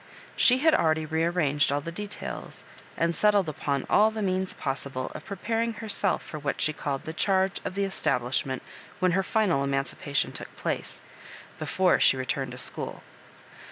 She had already re arranged all the details, and settled upon all the means pos sible of preparing herself for wliat she called the charge of the establishment when her final emancipation took place, before she returned to school.